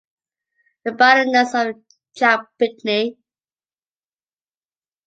The Baroness of Champigny.